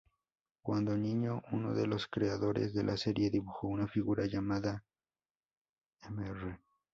Cuando niño, uno de los creadores de la serie dibujó una figura llamada "Mr.